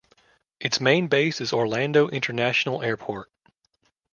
Its main base is Orlando International Airport.